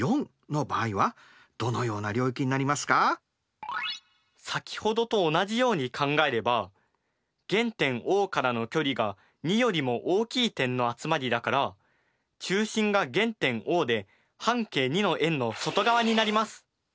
では先ほどと同じように考えれば原点Ｏからの距離が２よりも大きい点の集まりだから中心が原点Ｏで半径２の円の外側になります。